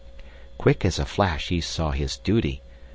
"Quick as a flash, he saw his duty.